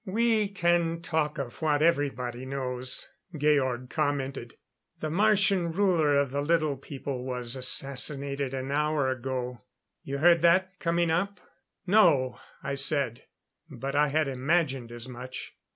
"We can talk of what everybody knows," Georg commented. "The Martian Ruler of the Little People was assassinated an hour ago. You heard that coming up?" "No," I said; but I had imagined as much.